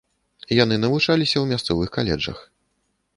Яны навучаліся ў мясцовых каледжах.